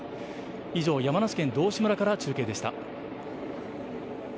以上、山梨県道志村から中継でした。